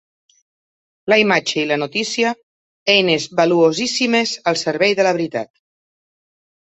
La imatge i la notícia, eines valuosíssimes al servei de la veritat.